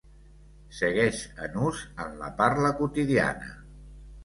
Segueix en ús en la parla quotidiana.